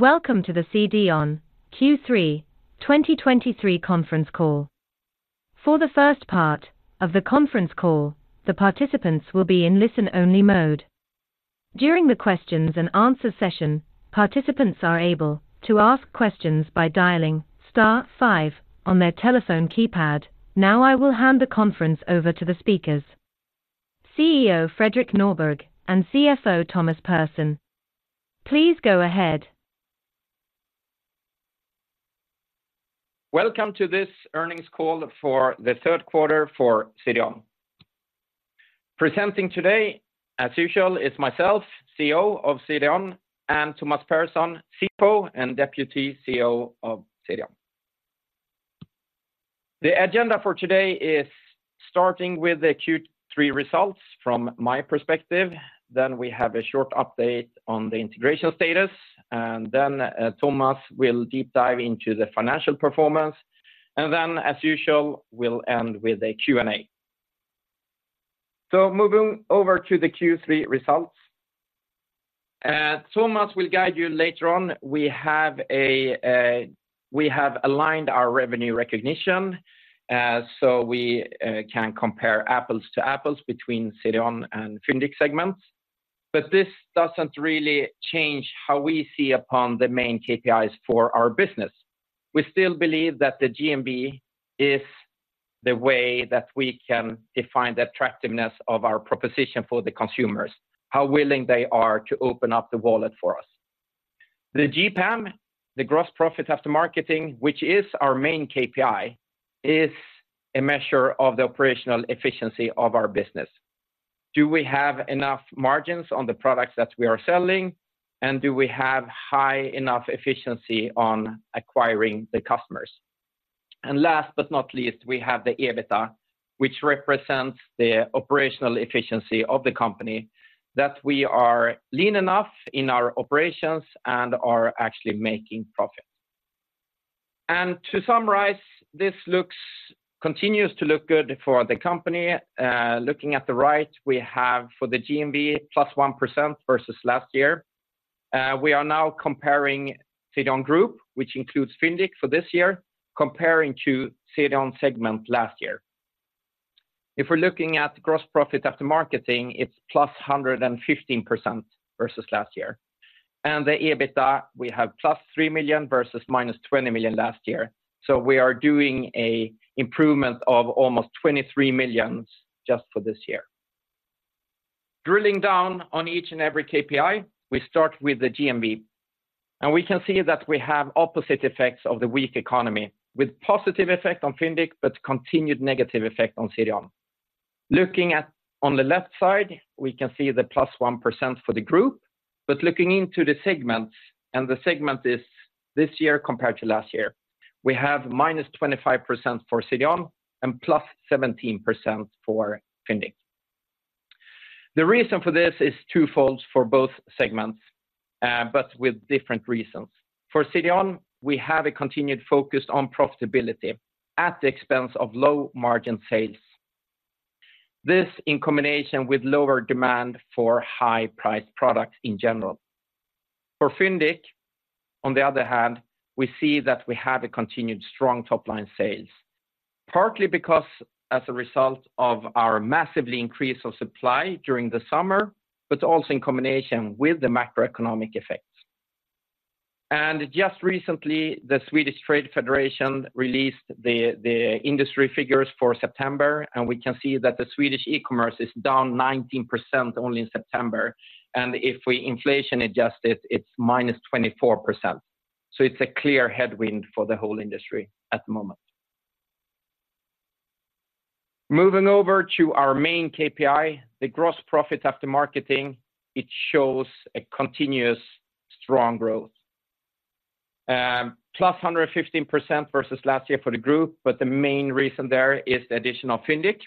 Welcome to the CDON Q3 2023 conference call. For the first part of the conference call, the participants will be in listen-only mode. During the questions and answer session, participants are able to ask questions by dialing star five on their telephone keypad. Now, I will hand the conference over to the speakers, CEO Fredrik Norberg and CFO Thomas Pehrsson. Please go ahead. Welcome to this earnings call for the third quarter for CDON. Presenting today, as usual, is myself, CEO of CDON, and Thomas Pehrsson, CFO and Deputy CEO of CDON. The agenda for today is starting with the Q3 results from my perspective, then we have a short update on the integration status, and then, Thomas will deep dive into the financial performance. And then, as usual, we'll end with a Q&A. So moving over to the Q3 results, Thomas will guide you later on. We have aligned our revenue recognition, so we can compare apples to apples between CDON and Fyndiq segments. But this doesn't really change how we see upon the main KPIs for our business. We still believe that the GMV is the way that we can define the attractiveness of our proposition for the consumers, how willing they are to open up the wallet for us. The GPAM, the gross profit after marketing, which is our main KPI, is a measure of the operational efficiency of our business. Do we have enough margins on the products that we are selling, and do we have high enough efficiency on acquiring the customers? And last but not least, we have the EBITDA, which represents the operational efficiency of the company, that we are lean enough in our operations and are actually making profits. To summarize, this continues to look good for the company. Looking at the right, we have for the GMV, plus 1% versus last year. We are now comparing CDON Group, which includes Fyndiq for this year, comparing to CDON segment last year. If we're looking at gross profit after marketing, it's +115% versus last year. And the EBITDA, we have +3 million versus -20 million last year. So we are doing an improvement of almost 23 million just for this year. Drilling down on each and every KPI, we start with the GMV, and we can see that we have opposite effects of the weak economy, with positive effect on Fyndiq, but continued negative effect on CDON. Looking at on the left side, we can see the +1% for the group, but looking into the segments, and the segment is this year compared to last year, we have -25% for CDON and +17% for Fyndiq. The reason for this is twofold for both segments, but with different reasons. For CDON, we have a continued focus on profitability at the expense of low-margin sales. This in combination with lower demand for high-priced products in general. For Fyndiq, on the other hand, we see that we have a continued strong top-line sales, partly because as a result of our massively increase of supply during the summer, but also in combination with the macroeconomic effects. Just recently, the Swedish Trade Federation released the industry figures for September, and we can see that the Swedish e-commerce is down 19% only in September. If we inflation adjust it, it's -24%. It's a clear headwind for the whole industry at the moment. Moving over to our main KPI, the gross profit after marketing, it shows a continuous strong growth. Plus 115% versus last year for the group, but the main reason there is the addition of Fyndiq,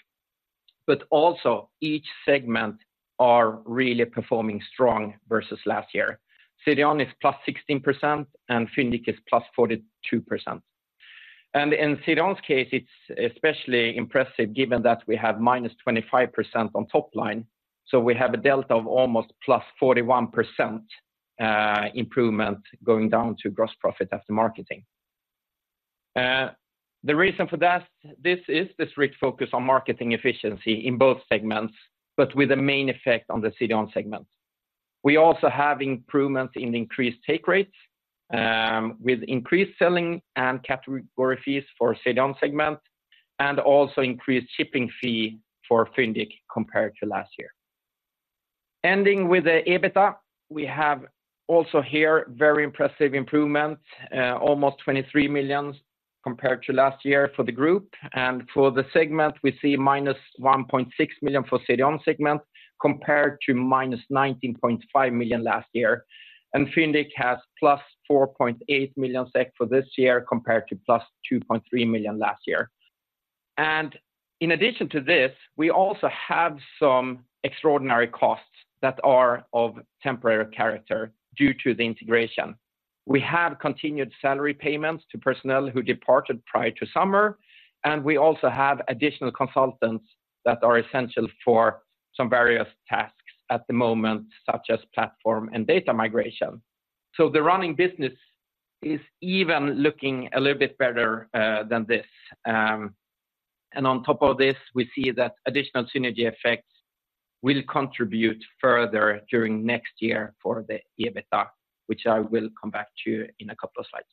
but also each segment are really performing strong versus last year. CDON is +16%, and Fyndiq is +42%. And in CDON's case, it's especially impressive, given that we have -25% on top line. So we have a delta of almost +41% improvement going down to gross profit after marketing. The reason for that, this is this refocused on marketing efficiency in both segments, but with a main effect on the CDON segment. We also have improvements in increased take rates, with increased selling and category fees for CDON segment, and also increased shipping fee for Fyndiq compared to last year. Ending with the EBITDA, we have also here very impressive improvement, almost 23 million compared to last year for the group. For the segment, we see -1.6 million for CDON segment, compared to -19.5 million last year. And Fyndiq has +4.8 million SEK SEK for this year, compared to +2.3 million last year. And in addition to this, we also have some extraordinary costs that are of temporary character due to the integration. We have continued salary payments to personnel who departed prior to summer, and we also have additional consultants that are essential for some various tasks at the moment, such as platform and data migration. So the running business is even looking a little bit better than this. And on top of this, we see that additional synergy effects will contribute further during next year for the EBITDA, which I will come back to in a couple of slides.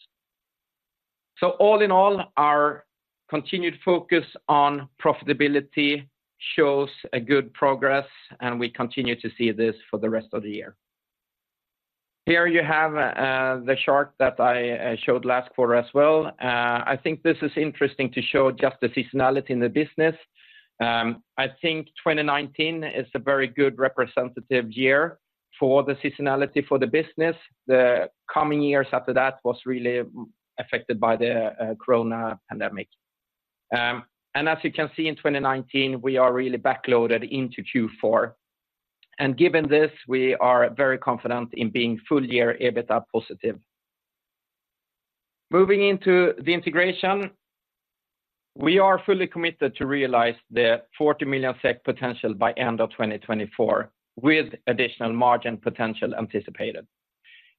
So all in all, our continued focus on profitability shows a good progress, and we continue to see this for the rest of the year. Here you have the chart that I showed last quarter as well. I think this is interesting to show just the seasonality in the business. I think 2019 is a very good representative year for the seasonality for the business. The coming years after that was really affected by the corona pandemic. And as you can see, in 2019, we are really backloaded into Q4. And given this, we are very confident in being full year EBITDA positive. Moving into the integration, we are fully committed to realize the 40 million SEK potential by end of 2024, with additional margin potential anticipated.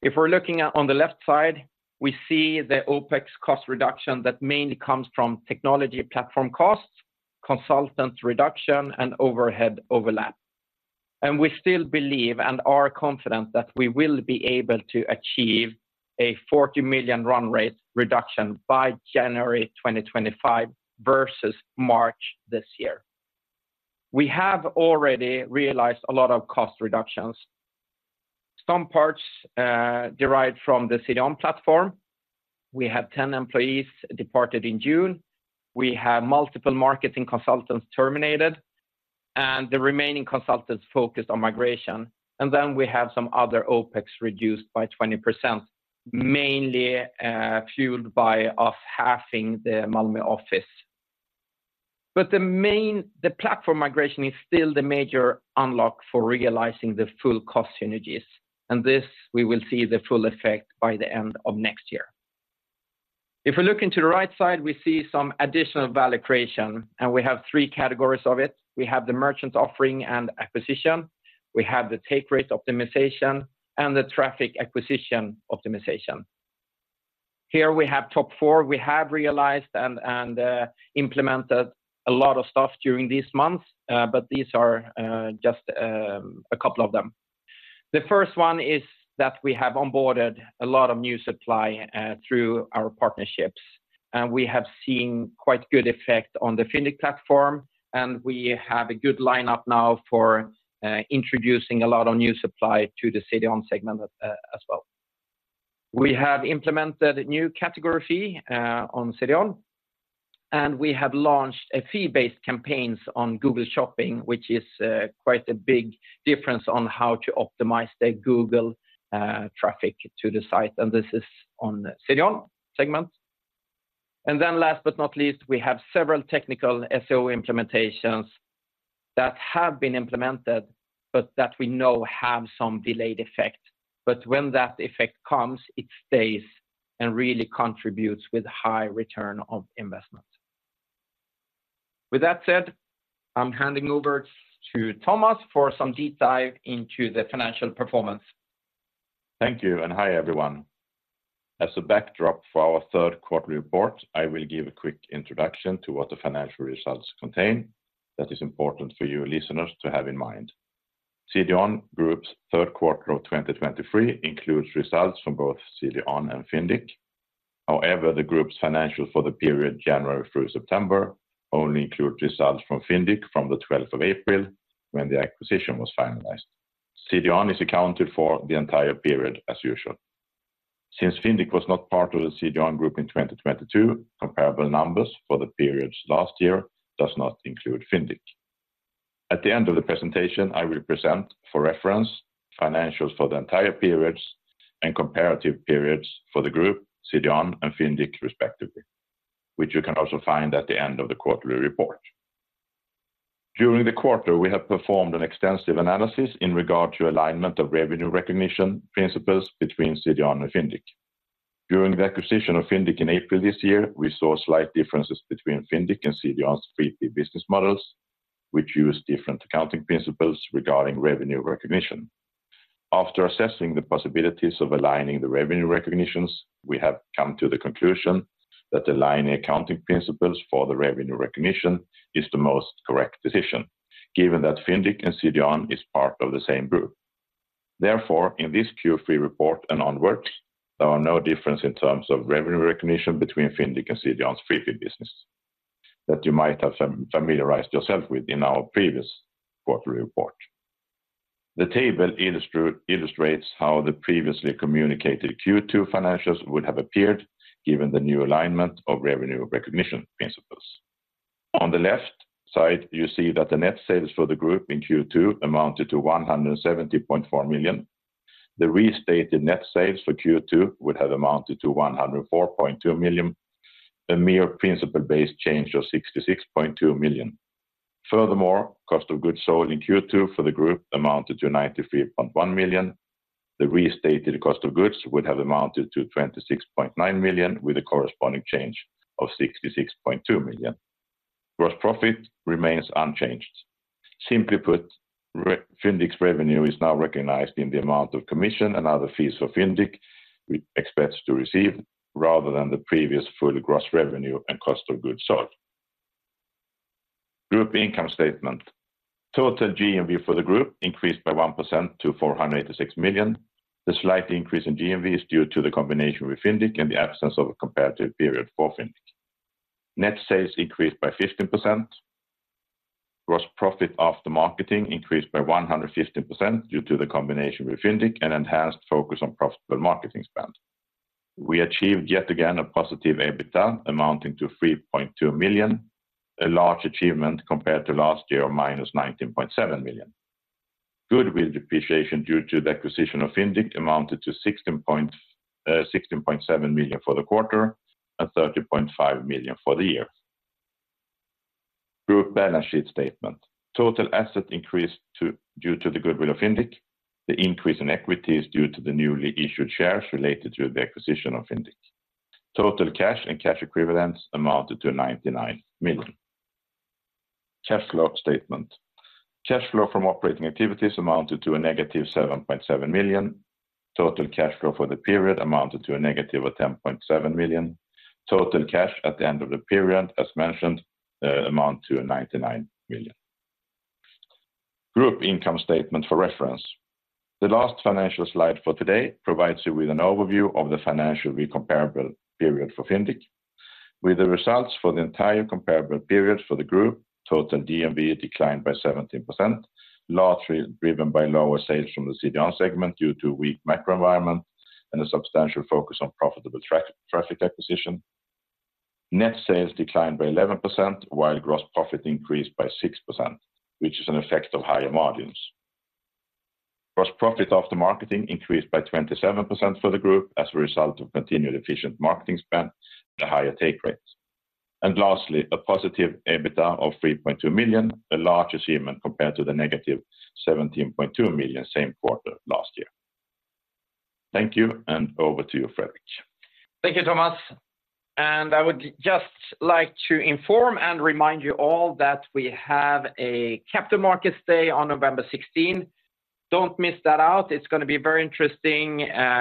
If we're looking at on the left side, we see the OpEx cost reduction that mainly comes from technology platform costs, consultant reduction, and overhead overlap. And we still believe and are confident that we will be able to achieve a 40 million run rate reduction by January 2025 versus March this year. We have already realized a lot of cost reductions. Some parts, derived from the CDON platform. We had 10 employees departed in June. We have multiple marketing consultants terminated, and the remaining consultants focused on migration. And then we have some other OpEx reduced by 20%, mainly, fueled by us halving the Malmö office. But the platform migration is still the major unlock for realizing the full cost synergies, and this, we will see the full effect by the end of next year. If we look into the right side, we see some additional value creation, and we have three categories of it. We have the merchant offering and acquisition, we have the take rate optimization, and the traffic acquisition optimization. Here we have top four. We have realized and implemented a lot of stuff during these months, but these are just a couple of them. The first one is that we have onboarded a lot of new supply through our partnerships, and we have seen quite good effect on the Fyndiq platform, and we have a good lineup now for introducing a lot of new supply to the CDON segment, as well. We have implemented new category fee on CDON, and we have launched a fee-based campaigns on Google Shopping, which is quite a big difference on how to optimize the Google traffic to the site, and this is on the CDON segment. And then last but not least, we have several technical SEO implementations that have been implemented, but that we know have some delayed effect. But when that effect comes, it stays and really contributes with high return of investment. With that said, I'm handing over to Thomas for some deep dive into the financial performance. Thank you, and hi, everyone. As a backdrop for our third quarter report, I will give a quick introduction to what the financial results contain. That is important for you listeners to have in mind. CDON Group's third quarter of 2023 includes results from both CDON and Fyndiq. However, the group's financials for the period January through September only include results from Fyndiq from the twelfth of April, when the acquisition was finalized. CDON is accounted for the entire period, as usual. Since Fyndiq was not part of the CDON group in 2022, comparable numbers for the periods last year does not include Fyndiq. At the end of the presentation, I will present, for reference, financials for the entire periods and comparative periods for the group, CDON and Fyndiq, respectively, which you can also find at the end of the quarterly report. During the quarter, we have performed an extensive analysis in regard to alignment of revenue recognition principles between CDON and Fyndiq. During the acquisition of Fyndiq in April this year, we saw slight differences between Fyndiq and CDON's free business models, which use different accounting principles regarding revenue recognition. After assessing the possibilities of aligning the revenue recognitions, we have come to the conclusion that aligning accounting principles for the revenue recognition is the most correct decision, given that Fyndiq and CDON is part of the same group. Therefore, in this Q3 report and onward, there are no difference in terms of revenue recognition between Fyndiq and CDON's 3P business that you might have familiarized yourself with in our previous quarterly report. The table illustrates how the previously communicated Q2 financials would have appeared given the new alignment of revenue recognition principles. On the left side, you see that the net sales for the group in Q2 amounted to 170.4 million. The restated net sales for Q2 would have amounted to 104.2 million, a mere principle-based change of 66.2 million. Furthermore, cost of goods sold in Q2 for the group amounted to 93.1 million. The restated cost of goods would have amounted to 26.9 million, with a corresponding change of 66.2 million. Gross profit remains unchanged. Simply put, Fyndiq's revenue is now recognized in the amount of commission and other fees for Fyndiq we expect to receive, rather than the previous full gross revenue and cost of goods sold. Group income statement. Total GMV for the group increased by 1% to 486 million. The slight increase in GMV is due to the combination with Fyndiq and the absence of a comparative period for Fyndiq. Net sales increased by 15%. Gross profit after marketing increased by 115% due to the combination with Fyndiq and enhanced focus on profitable marketing spend. We achieved, yet again, a positive EBITDA amounting to 3.2 million, a large achievement compared to last year of -19.7 million. Goodwill depreciation due to the acquisition of Fyndiq amounted to 16.7 million for the quarter and 30.5 million for the year. Group balance sheet statement. Total assets increased due to the goodwill of Fyndiq. The increase in equity is due to the newly issued shares related to the acquisition of Fyndiq. Total cash and cash equivalents amounted to 99 million. Cash flow statement. Cash flow from operating activities amounted to a -7.7 million. Total cash flow for the period amounted to a -10.7 million. Total cash at the end of the period, as mentioned, amount to 99 million. Group income statement for reference. The last financial slide for today provides you with an overview of the financial comparable period for Fyndiq, with the results for the entire comparable period for the group. Total GMV declined by 17%, largely driven by lower sales from the CDON segment due to weak macro environment and a substantial focus on profitable traffic acquisition. Net sales declined by 11%, while gross profit increased by 6%, which is an effect of higher margins. Gross profit after marketing increased by 27% for the group as a result of continued efficient marketing spend and a higher take rates. And lastly, a positive EBITDA of 3.2 million, a large achievement compared to the -17.2 million on, same quarter last year. Thank you, and over to you, Fredrik. Thank you, Thomas. I would just like to inform and remind you all that we have a Capital Markets Day on November 16. Don't miss that out. It's going to be very interesting.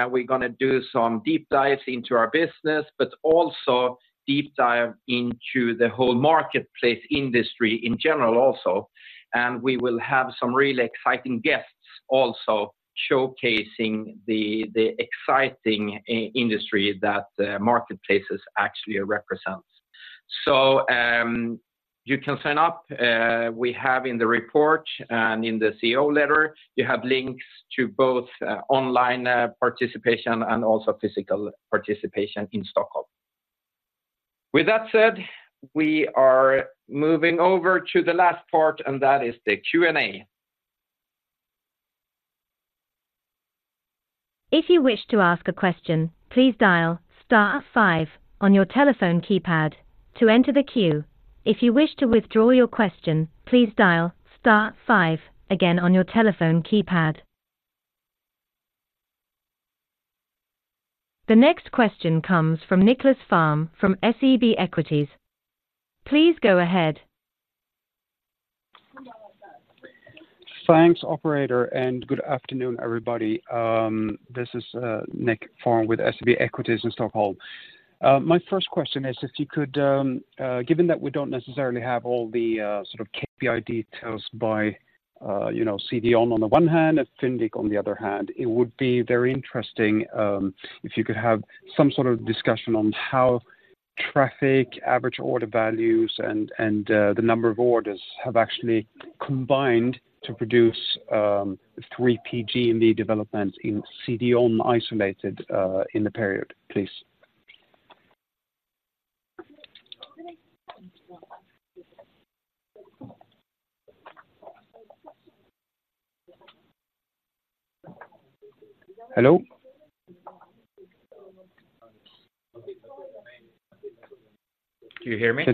We're gonna do some deep dives into our business, but also deep dive into the whole marketplace industry in general, also. And we will have some really exciting guests also showcasing the exciting industry that marketplaces actually represents. So, you can sign up, we have in the report and in the CEO letter, you have links to both online participation and also physical participation in Stockholm. With that said, we are moving over to the last part, and that is the Q&A. If you wish to ask a question, please dial star five on your telephone keypad to enter the queue. If you wish to withdraw your question, please dial star five again on your telephone keypad. The next question comes from Nicklas Fhärm from SEB Equities. Please go ahead. Thanks, operator, and good afternoon, everybody. This is Nicklas Fhärm with SEB Equities in Stockholm. My first question is, if you could, given that we don't necessarily have all the sort of KPI details by, you know, CDON on the one hand and Fyndiq on the other hand, it would be very interesting, if you could have some sort of discussion on how traffic, average order values, and the number of orders have actually combined to produce 3P GMV in the development in CDON isolated, in the period, please. Hello? Can you hear me?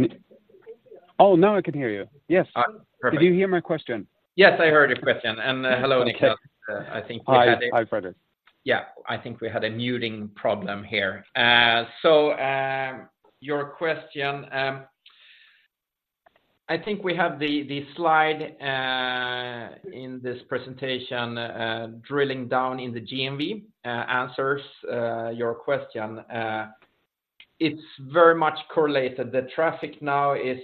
Oh, now I can hear you. Yes. Uh, perfect. Did you hear my question? Yes, I heard your question, and hello, Nicklas. Okay. I think we had Hi, Fredrik. Yeah, I think we had a muting problem here. So, your question... I think we have the slide in this presentation drilling down in the GMV answers your question. It's very much correlated. The traffic now is,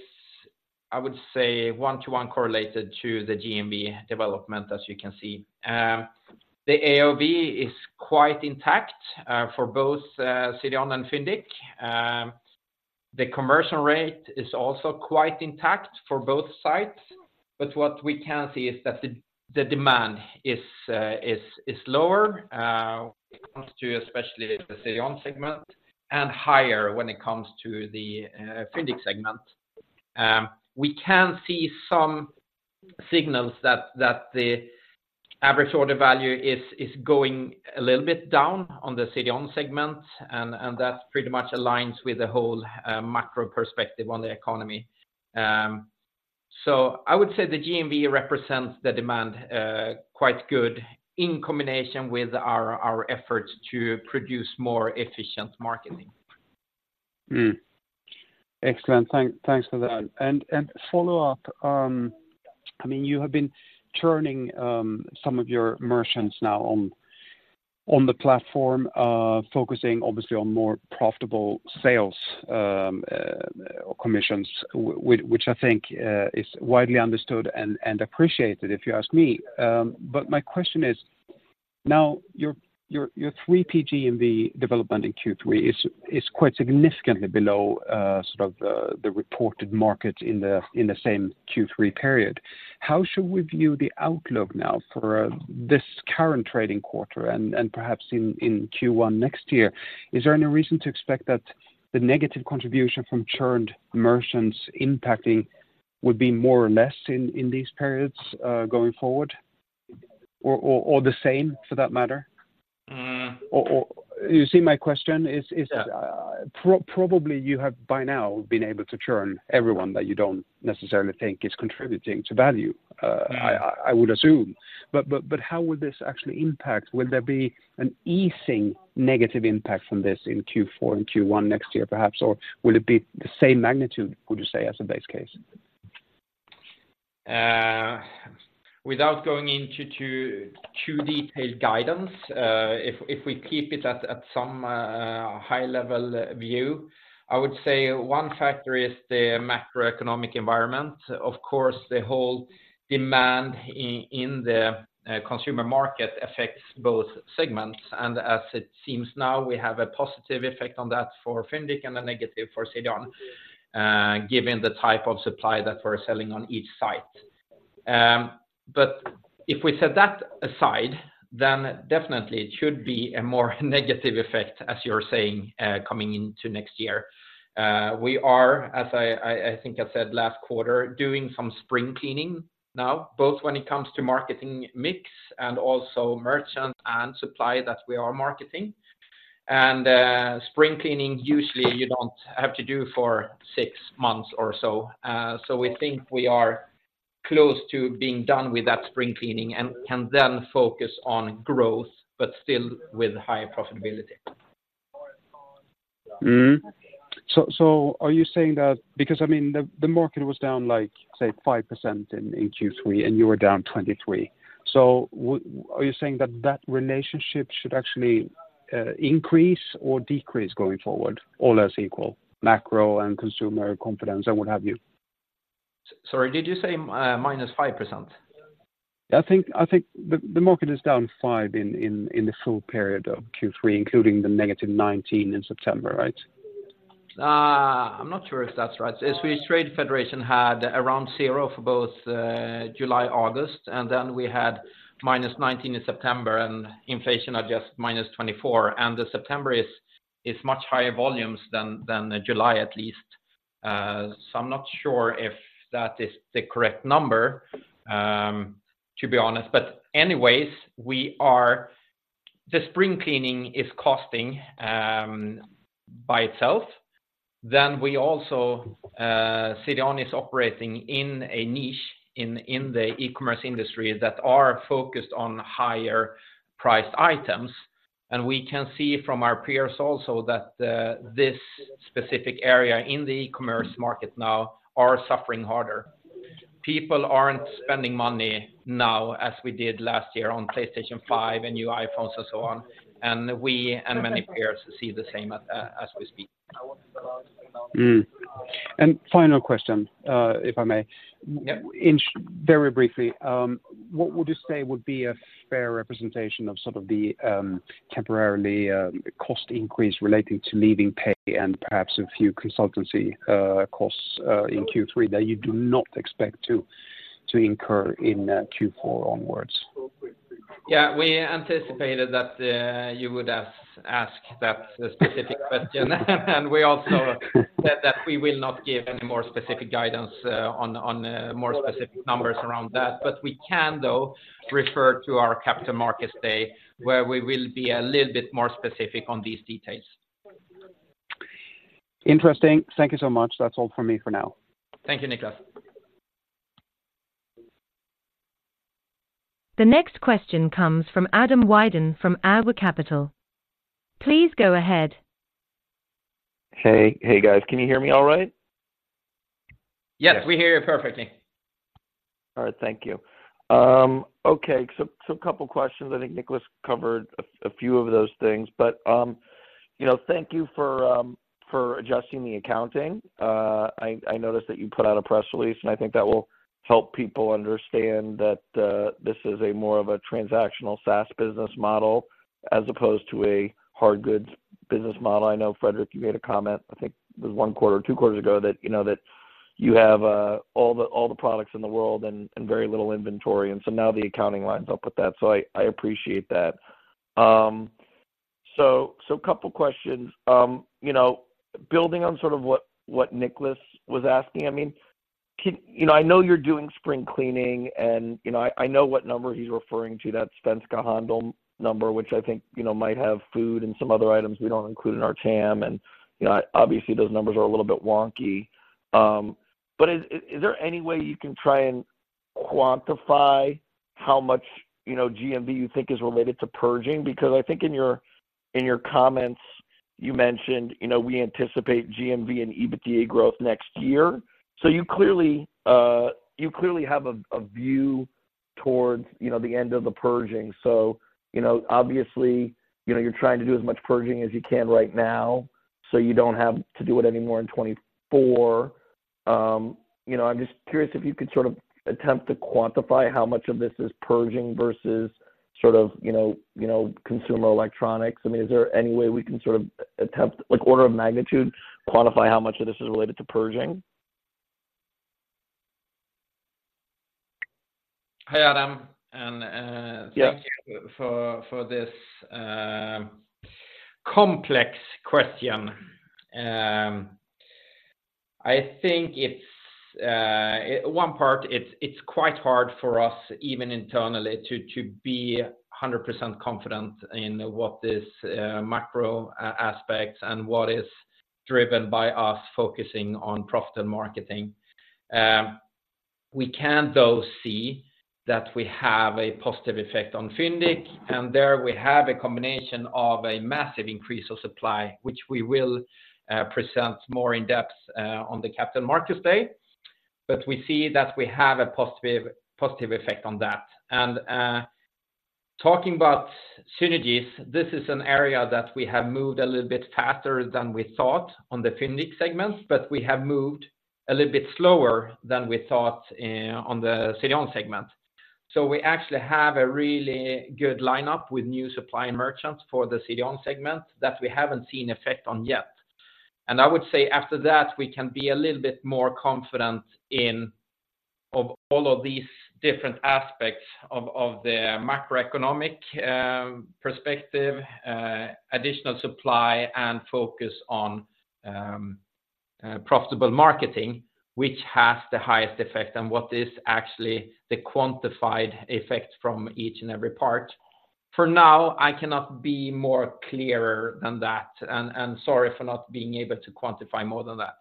I would say, one to one correlated to the GMV development, as you can see. The AOV is quite intact for both CDON and Fyndiq. The commercial rate is also quite intact for both sides, but what we can see is that the demand is lower when it comes to especially the CDON segment, and higher when it comes to the Fyndiq segment. We can see some signals that the average order value is going a little bit down on the CDON segment, and that pretty much aligns with the whole macro perspective on the economy. So I would say the GMV represents the demand quite good in combination with our efforts to produce more efficient marketing. Mm. Excellent. Thanks for that. And follow-up, I mean, you have been churning some of your merchants now on the platform, focusing obviously on more profitable sales or commissions, which I think is widely understood and appreciated, if you ask me. But my question is, now, your 3P GMV in the development in Q3 is quite significantly below sort of the reported market in the same Q3 period. How should we view the outlook now for this current trading quarter and perhaps in Q1 next year? Is there any reason to expect that the negative contribution from churned merchants impacting would be more or less in these periods going forward, or the same for that matter? Mm. You see, my question is, Yeah. Probably you have, by now, been able to churn everyone that you don't necessarily think is contributing to value. I would assume. But how would this actually impact? Will there be an easing negative impact from this in Q4 and Q1 next year, perhaps? Or will it be the same magnitude, would you say, as a base case? Without going into too, too detailed guidance, if, if we keep it at, at some high-level view, I would say one factor is the macroeconomic environment. Of course, the whole demand in the consumer market affects both segments, and as it seems now, we have a positive effect on that for Fyndiq and a negative for CDON, given the type of supply that we're selling on each site. But if we set that aside, then definitely it should be a more negative effect, as you're saying, coming into next year. We are, as I, I, I think I said last quarter, doing some spring cleaning now, both when it comes to marketing mix and also merchant and supply that we are marketing. Spring cleaning, usually you don't have to do for six months or so. We think we are close to being done with that spring cleaning and can then focus on growth, but still with high profitability. Mm. So, so are you saying that, because, I mean, the, the market was down, like, say, 5% in, in Q3, and you were down 23. So, are you saying that that relationship should actually, increase or decrease going forward, all else equal, macro and consumer confidence and what have you? Sorry, did you say -5%? I think the market is down 5% in the full period of Q3, including the -19 in September, right? I'm not sure if that's right. The Swedish Trade Federation had around zero for both July, August, and then we had -19 in September, and inflation adjusted -24, and September is much higher volumes than July, at least. So I'm not sure if that is the correct number, to be honest. But anyways, we are... The spring cleaning is costing by itself. Then we also, CDON is operating in a niche in the e-commerce industry that are focused on higher priced items, and we can see from our peers also that this specific area in the e-commerce market now are suffering harder. People aren't spending money now as we did last year on PlayStation 5 and new iPhones and so on, and we and many peers see the same as we speak. Mm. Final question, if I may. Yeah. Very briefly, what would you say would be a fair representation of sort of the temporary cost increase relating to leaving pay and perhaps a few consultancy costs in Q3 that you do not expect to incur in Q4 onwards? Yeah, we anticipated that you would ask that specific question. We also said that we will not give any more specific guidance on more specific numbers around that. We can, though, refer to our Capital Markets Day, where we will be a little bit more specific on these details. Interesting. Thank you so much. That's all from me for now. Thank you, Nicklas. The next question comes from Adam Wyden from ADW Capital. Please go ahead. Hey, hey, guys, can you hear me all right? Yes, we hear you perfectly. All right. Thank you. Okay, so a couple questions. I think Nicklas covered a few of those things. But you know, thank you for adjusting the accounting. I noticed that you put out a press release, and I think that will help people understand that this is more of a transactional SaaS business model, as opposed to a hard goods business model. I know, Fredrik, you made a comment, I think it was one quarter or two quarters ago, that you know that you have all the products in the world and very little inventory, and so now the accounting lines up with that. So I appreciate that. So couple questions. You know, building on sort of what Nicklas was asking, I mean, can... You know, I know you're doing spring cleaning, and, you know, I know what number he's referring to, that Svensk Handel number, which I think, you know, might have food and some other items we don't include in our TAM, and, you know, obviously, those numbers are a little bit wonky. But is there any way you can try and quantify how much, you know, GMV you think is related to purging? Because I think in your comments, you mentioned, you know, we anticipate GMV and EBITDA growth next year. So you clearly have a view towards, you know, the end of the purging. So, you know, obviously, you know, you're trying to do as much purging as you can right now, so you don't have to do it anymore in 2024. You know, I'm just curious if you could sort of attempt to quantify how much of this is purging versus sort of, you know, you know, consumer electronics. I mean, is there any way we can sort of attempt, like, order of magnitude, quantify how much of this is related to purging? Hi, Adam, and, Yes. Thank you for this complex question. I think it's one part, it's quite hard for us, even internally, to be 100% confident in what this macro aspect and what is driven by us focusing on profit and marketing. We can, though, see that we have a positive effect on Fyndiq, and there we have a combination of a massive increase of supply, which we will present more in depth on the Capital Markets Day. But we see that we have a positive effect on that. And talking about synergies, this is an area that we have moved a little bit faster than we thought on the Fyndiq segments, but we have moved a little bit slower than we thought on the CDON segment. So we actually have a really good lineup with new supply merchants for the CDON segment that we haven't seen effect on yet. I would say after that, we can be a little bit more confident in of all of these different aspects of the macroeconomic perspective, additional supply and focus on profitable marketing, which has the highest effect and what is actually the quantified effect from each and every part. For now, I cannot be more clearer than that, and sorry for not being able to quantify more than that.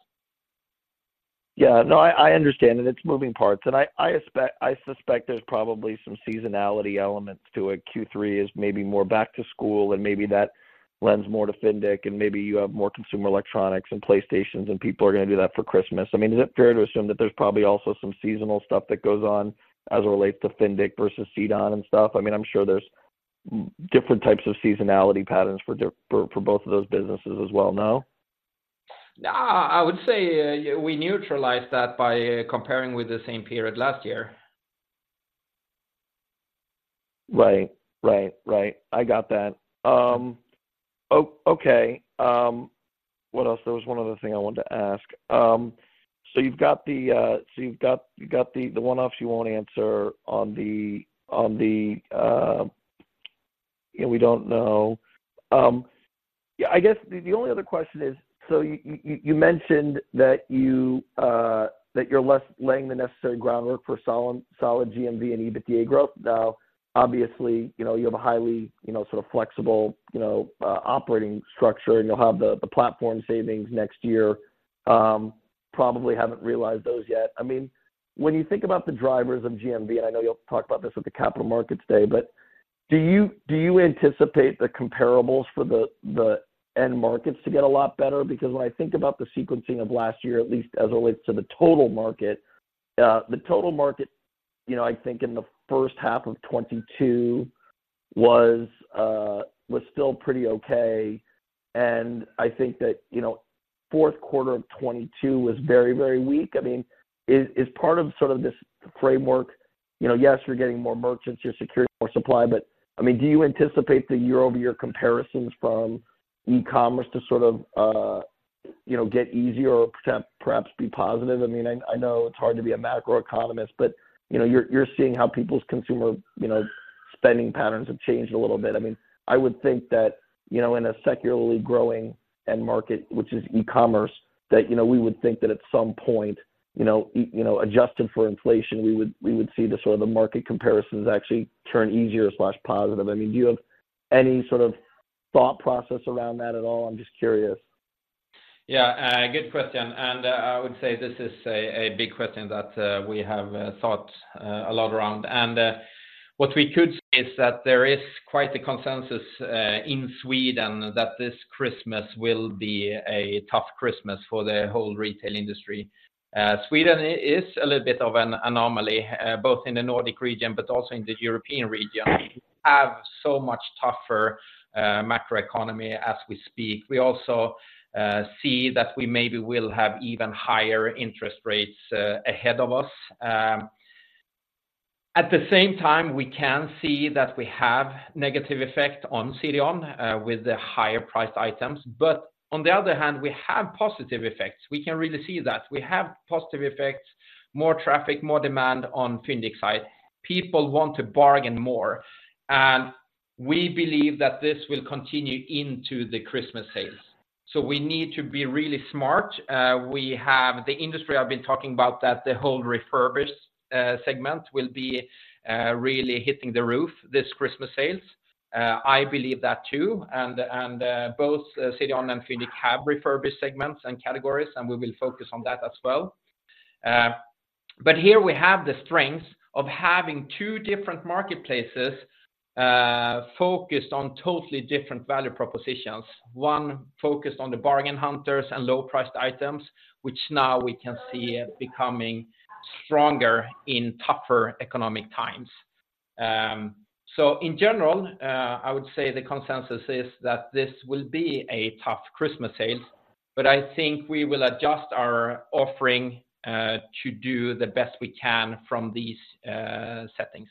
Yeah. No, I understand, and it's moving parts. And I expect- I suspect there's probably some seasonality elements to it. Q3 is maybe more back to school, and maybe that lends more to Fyndiq, and maybe you have more consumer electronics and PlayStations, and people are gonna do that for Christmas. I mean, is it fair to assume that there's probably also some seasonal stuff that goes on as it relates to Fyndiq versus CDON and stuff? I mean, I'm sure there's different types of seasonality patterns for both of those businesses as well, no? I would say, we neutralize that by comparing with the same period last year. Right. Right, right. I got that. Okay, what else? There was one other thing I wanted to ask. So you've got the one-offs you won't answer on the, and we don't know. Yeah, I guess the only other question is, so you mentioned that you're less laying the necessary groundwork for solid GMV and EBITDA growth. Now, obviously, you know, you have a highly, you know, sort of flexible, you know, operating structure, and you'll have the platform savings next year. Probably haven't realized those yet. I mean, when you think about the drivers of GMV, and I know you'll talk about this at the Capital Markets Day, but do you anticipate the comparables for the end markets to get a lot better? Because when I think about the sequencing of last year, at least as it relates to the total market, the total market, you know, I think in the first half of 2022 was still pretty okay, and I think that, you know, fourth quarter of 2022 was very, very weak. I mean, is part of sort of this framework, you know, yes, you're getting more merchants, you're securing more supply, but, I mean, do you anticipate the year-over-year comparisons from e-commerce to sort of get easier or perhaps be positive? I mean, I know it's hard to be a macroeconomist, but, you know, you're seeing how people's consumer, you know, spending patterns have changed a little bit. I mean, I would think that, you know, in a secularly growing end market, which is e-commerce, that, you know, we would think that at some point, you know, adjusting for inflation, we would see the sort of the market comparisons actually turn easier positive. I mean, do you have any sort of thought process around that at all? I'm just curious. Yeah, good question, and I would say this is a big question that we have thought a lot around. And what we could see is that there is quite a consensus in Sweden that this Christmas will be a tough Christmas for the whole retail industry. Sweden is a little bit of an anomaly both in the Nordic region but also in the European region. We have so much tougher macroeconomy as we speak. We also see that we maybe will have even higher interest rates ahead of us. At the same time, we can see that we have negative effect on CDON with the higher-priced items, but on the other hand, we have positive effects. We can really see that. We have positive effects, more traffic, more demand on Fyndiq side. People want to bargain more, and we believe that this will continue into the Christmas sales. So we need to be really smart. We have... the industry I've been talking about, that the whole refurbished segment will be really hitting the roof this Christmas sales. I believe that too, and, and both CDON and Fyndiq have refurbished segments and categories, and we will focus on that as well. But here we have the strength of having two different marketplaces focused on totally different value propositions. One focused on the bargain hunters and low-priced items, which now we can see it becoming stronger in tougher economic times. In general, I would say the consensus is that this will be a tough Christmas sale, but I think we will adjust our offering to do the best we can from these settings.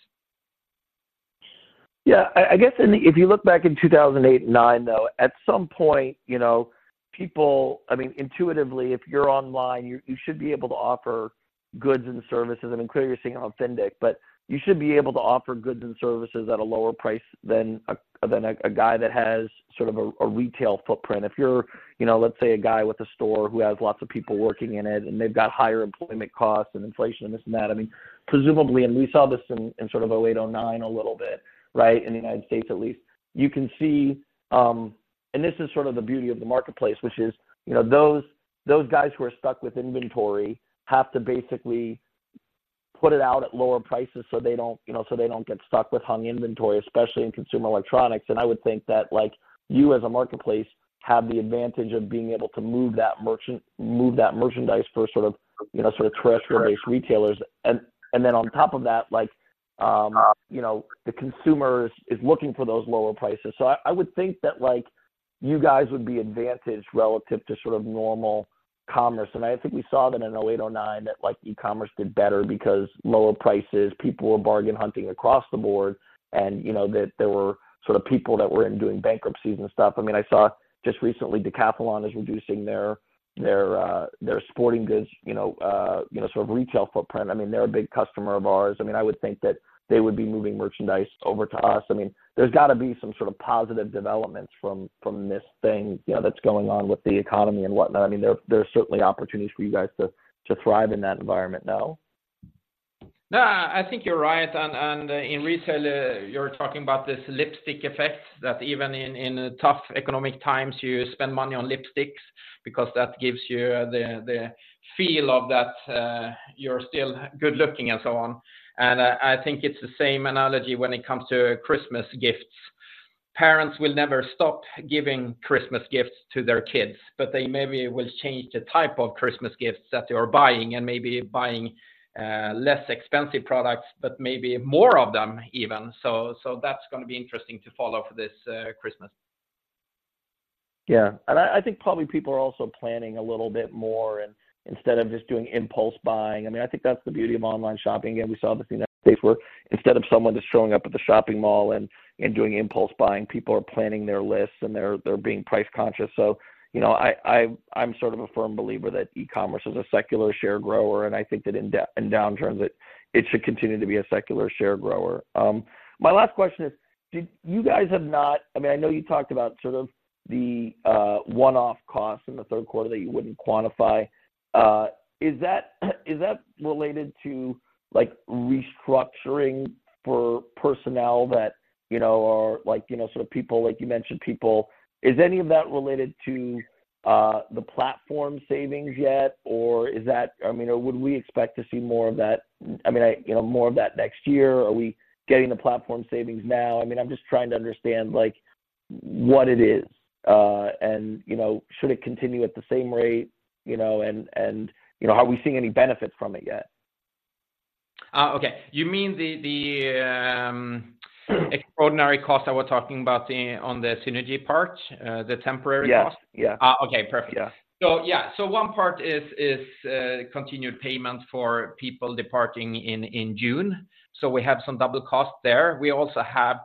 Yeah, I, I guess in-- if you look back in 2008 and 2009, though, at some point, you know, people... I mean, intuitively, if you're online, you, you should be able to offer goods and services, and clearly, you're seeing on Fyndiq, but you should be able to offer goods and services at a lower price than a, than a, a guy that has sort of a, a retail footprint. If you're, you know, let's say a guy with a store who has lots of people working in it, and they've got higher employment costs and inflation, and this and that, I mean, presumably, and we saw this in, in sort of 2008, 2009 a little bit, right? In the United States, at least. You can see, and this is sort of the beauty of the marketplace, which is, you know, those, those guys who are stuck with inventory have to basically put it out at lower prices so they don't, you know, so they don't get stuck with hung inventory, especially in consumer electronics. And I would think that, like, you as a marketplace have the advantage of being able to move that merchant—move that merchandise for sort of, you know, sort of terrestrial-based- Correct - retailers. And then on top of that, like, you know, the consumer is looking for those lower prices. So I would think that, like, you guys would be advantaged relative to sort of normal commerce. And I think we saw that in 2008, 2009, that like, e-commerce did better because lower prices, people were bargain hunting across the board, and, you know, that there were sort of people that were in doing bankruptcies and stuff. I mean, I saw just recently, Decathlon is reducing their sporting goods, you know, you know, sort of retail footprint. I mean, they're a big customer of ours. I mean, I would think that they would be moving merchandise over to us. I mean, there's got to be some sort of positive developments from this thing, you know, that's going on with the economy and whatnot. I mean, there are certainly opportunities for you guys to thrive in that environment now. No, I think you're right. And in retail, you're talking about this lipstick effect, that even in tough economic times, you spend money on lipsticks because that gives you the feel of that you're still good looking and so on. And I think it's the same analogy when it comes to Christmas gifts. Parents will never stop giving Christmas gifts to their kids, but they maybe will change the type of Christmas gifts that they are buying and maybe buying less expensive products, but maybe more of them even. So that's going to be interesting to follow for this Christmas. Yeah. I think probably people are also planning a little bit more and instead of just doing impulse buying. I mean, I think that's the beauty of online shopping, and we saw this in United States, where instead of someone just showing up at the shopping mall and doing impulse buying, people are planning their lists, and they're being price conscious. So, you know, I, I'm sort of a firm believer that e-commerce is a secular share grower, and I think that in downturns, it should continue to be a secular share grower. My last question is: did you guys have not—I mean, I know you talked about sort of the one-off costs in the third quarter that you wouldn't quantify. Is that related to like, restructuring for personnel that you know, are like, you know, sort of people, like you mentioned, people... Is any of that related to the platform savings yet, or is that... I mean, would we expect to see more of that, I mean, I, you know, more of that next year? Are we getting the platform savings now? I mean, I'm just trying to understand, like, what it is, and, you know, should it continue at the same rate, you know, and, and, you know, are we seeing any benefit from it yet? Okay. You mean the extraordinary cost I was talking about, on the synergy part, the temporary cost? Yes. Yeah. Okay, perfect. Yeah. So yeah. So one part is continued payment for people departing in June. So we have some double cost there. We also have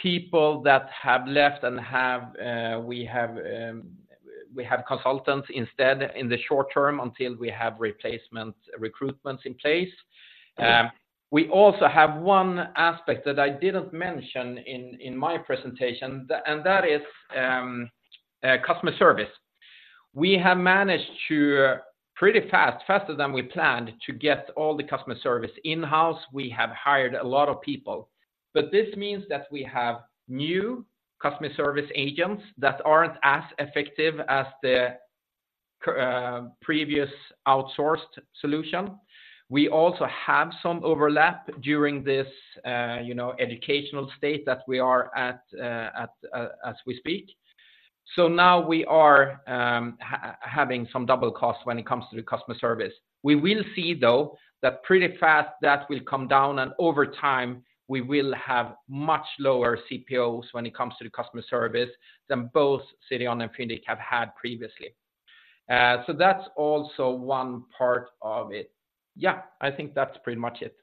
people that have left and we have consultants instead in the short term until we have replacement recruitments in place. Okay. We also have one aspect that I didn't mention in my presentation, and that is, customer service. We have managed to, pretty fast, faster than we planned, to get all the customer service in-house. We have hired a lot of people, but this means that we have new customer service agents that aren't as effective as the previous outsourced solution. We also have some overlap during this, you know, educational state that we are at, as we speak. So now we are having some double costs when it comes to the customer service. We will see, though, that pretty fast that will come down, and over time, we will have much lower CPOs when it comes to the customer service than both CDON and Fyndiq have had previously. So that's also one part of it. Yeah, I think that's pretty much it.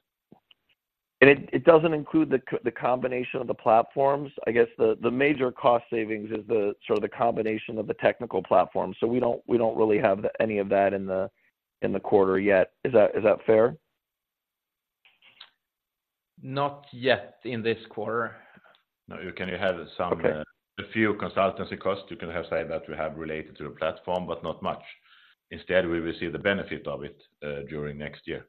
It doesn't include the combination of the platforms. I guess the major cost savings is the sort of combination of the technical platform. So we don't really have any of that in the quarter yet. Is that fair? Not yet in this quarter. No, you can have some. Okay... A few consultancy costs you can have, say, that we have related to the platform, but not much. Instead, we will see the benefit of it, during next year.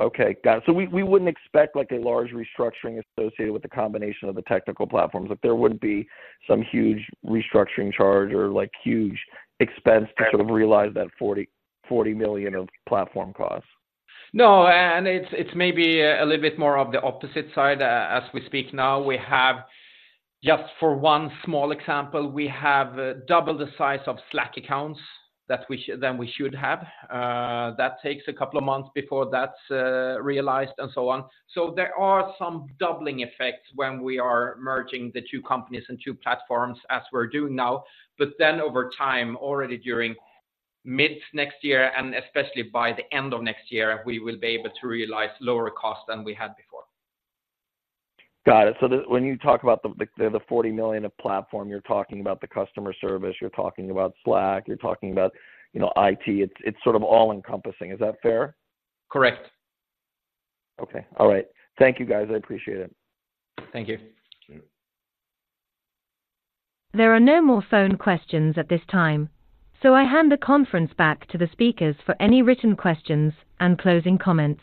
Okay, got it. So we wouldn't expect, like, a large restructuring associated with the combination of the technical platforms, that there would be some huge restructuring charge or, like, huge expense to sort of realize that 40 million of platform costs? No, and it's, it's maybe a little bit more of the opposite side. As we speak now, we have just for one small example, we have double the size of Slack accounts than we should have. That takes a couple of months before that's realized, and so on. So there are some doubling effects when we are merging the two companies and two platforms as we're doing now. But then over time, already during mid next year, and especially by the end of next year, we will be able to realize lower costs than we had before. Got it. So, when you talk about the 40 million of platform, you're talking about the customer service, you're talking about Slack, you're talking about, you know, IT. It's sort of all-encompassing. Is that fair? Correct. Okay. All right. Thank you, guys. I appreciate it. Thank you. There are no more phone questions at this time, so I hand the conference back to the speakers for any written questions and closing comments.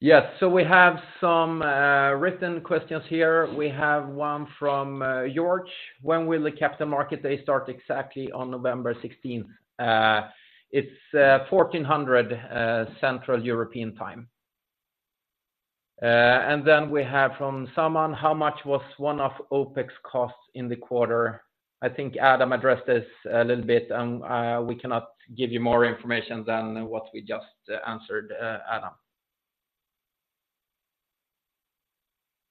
Yes, so we have some written questions here. We have one from George. When will the Capital Markets Day start exactly on November sixteenth? It's 2:00 P.M. Central European Time. And then we have from Saman, how much was one-off OpEx costs in the quarter? I think Adam addressed this a little bit, and we cannot give you more information than what we just answered, Adam.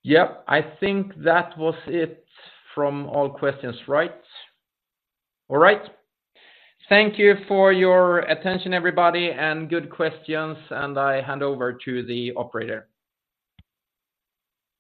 Yep, I think that was it from all questions, right? All right. Thank you for your attention, everybody, and good questions, and I hand over to the operator.